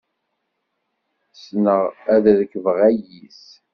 Ssneɣ ad rekbeɣ ayis.